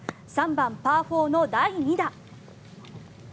３番、パー４の第２打。